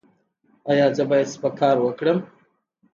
ایا زه باید سپک کار وکړم؟